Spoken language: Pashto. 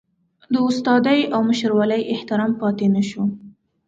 د استادۍ او مشرولۍ احترام پاتې نشو.